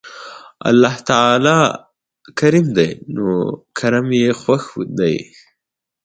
الله تعالی کريم دی نو کرَم ئي خوښ دی